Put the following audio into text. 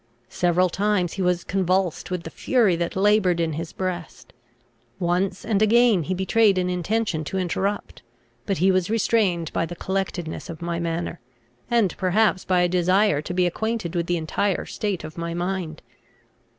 Several times he was convulsed with the fury that laboured in his breast. Once and again he betrayed an intention to interrupt; but he was restrained by the collectedness of my manner, and perhaps by a desire to be acquainted with the entire state of my mind.